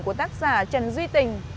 của tác giả trần duy tình